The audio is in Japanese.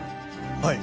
はい。